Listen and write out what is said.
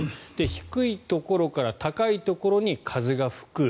低いところから高いところに風が吹く。